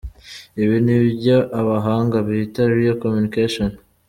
Ibi nibyo abahanga bita Real Communication.